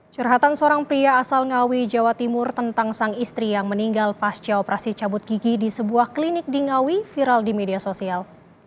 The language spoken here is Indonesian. curhatan seorang pria asal ngawi jawa timur tentang sang istri yang meninggal pasca operasi cabut gigi di sebuah klinik di ngawi viral di media sosial